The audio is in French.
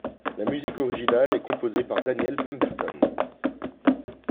La musique originale est composée par Daniel Pemberton.